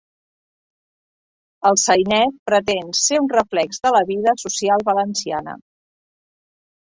El sainet pretén ser un reflex de la vida social valenciana.